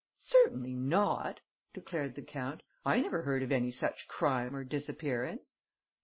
"Certainly not," declared the count. "I never heard of any such crime or disappearance."